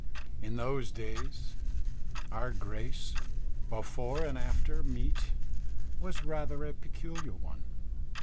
In those days, our grace before and after meat was rather a peculiar one.